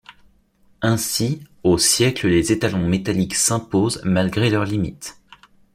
Ainsi, au siècle les étalons métalliques s'imposent malgré leurs limites.